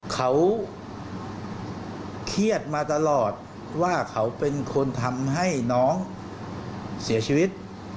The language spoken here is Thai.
เขาเครียดมาตลอดว่าเขาเป็นคนทำให้น้องเสียชีวิต